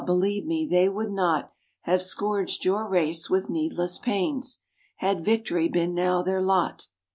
believe me, they would not Have scourged your race with needless pains, Had victory been now their lot.